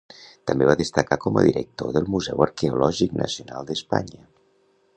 També va destacar com a director del Museu Arqueològic Nacional d'Espanya.